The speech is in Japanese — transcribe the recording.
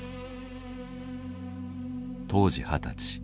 当時二十歳。